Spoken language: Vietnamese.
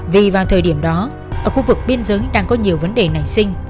vì vào thời điểm đó ở khu vực biên giới đang có nhiều vấn đề nảy sinh